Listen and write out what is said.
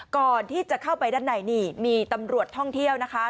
ก่อนที่จะเข้าไปด้านในนี่มีตำรวจท่องเที่ยวนะคะ